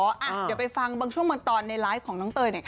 เดี๋ยวไปฟังบางช่วงบางตอนในไลฟ์ของน้องเตยหน่อยค่ะ